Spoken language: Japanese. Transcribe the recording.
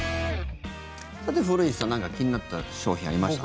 さて、古市さん何か気になった商品ありました？